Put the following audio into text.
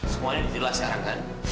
semuanya dibilang sarangan